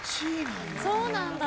そうなんだ。